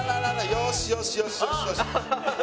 よしよしよしよしよし！